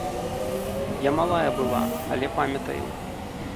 Я малая была, але памятаю.